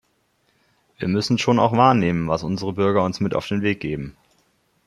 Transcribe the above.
Wir müssen schon auch wahrnehmen, was unsere Bürger uns mit auf den Weg geben.